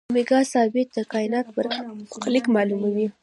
د اومېګا ثابت د کائنات برخلیک معلوموي.